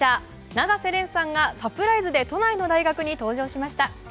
永瀬廉さんがサプライズで都内の大学に登場しました。